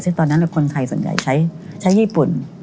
ซึ่งตอนนั้นคนไทยส่วนใหญ่ใช้ญี่ปุ่น